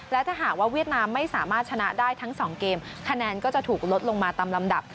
และถ้าหากว่าเวียดนามไม่สามารถชนะได้ทั้งสองเกมคะแนนก็จะถูกลดลงมาตามลำดับ